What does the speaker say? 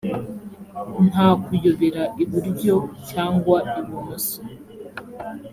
nta kuyobera iburyo cyangwa ibumoso.